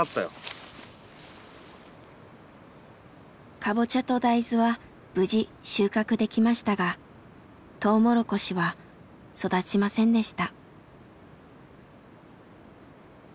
カボチャと大豆は無事収穫できましたがトウモロコシは育ちませんでした。